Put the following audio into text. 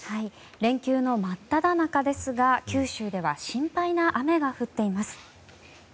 連休の真っただ中ですが九州では心配な雨が降っています。